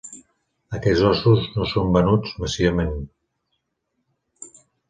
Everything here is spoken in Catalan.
Aquests ossos no són venuts massivament.